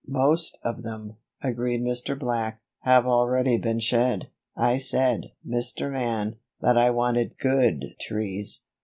"Most of them," agreed Mr. Black, "have already been shed. I said, Mr. Man, that I wanted good trees."